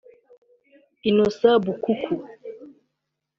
Enos Bukuku